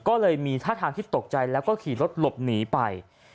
ก็เลยมีท่าทางที่ตกใจแล้วก็ขี่รถหลบหนีไป